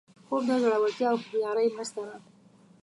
خوب د زړورتیا او هوښیارۍ مرسته ده